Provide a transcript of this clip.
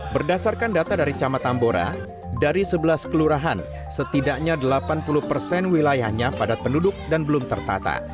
berdasarkan data dari camat tambora dari sebelas kelurahan setidaknya delapan puluh persen wilayahnya padat penduduk dan belum tertata